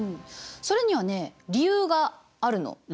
それにはね理由があるの。